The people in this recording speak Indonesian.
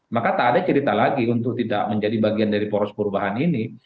maka tak ada cerita lagi untuk tidak menjadi bagian dari poros perubahan ini